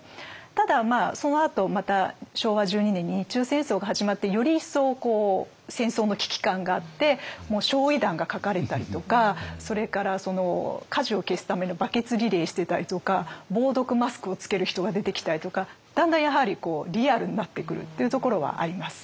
ただそのあとまた昭和１２年に日中戦争が始まってより一層戦争の危機感があって焼夷弾が描かれたりとかそれから火事を消すためのバケツリレーしてたりとか防毒マスクを着ける人が出てきたりとかだんだんやはりリアルになってくるっていうところはあります。